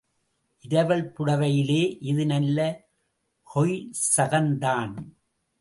இரவல் புடைவையிலே இது நல்ல கொய்சகந்தான்.